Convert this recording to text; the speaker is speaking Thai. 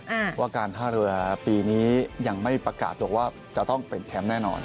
ว่าการท่าเรือปีนี้ยังไม่ประกาศตัวว่าจะต้องเป็นแชมป์แน่นอน